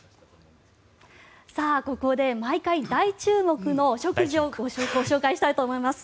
ここで毎回大注目のお食事をご紹介したいと思います。